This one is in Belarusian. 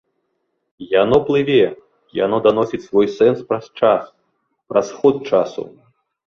Яно плыве, яно даносіць свой сэнс праз час, праз ход часу.